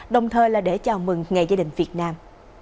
đồng thời là để chào mừng ngày gia đình việt nam